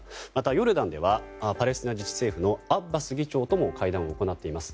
ヨルダンではパレスチナ自治政府のアッバス議長とも会談を行っています。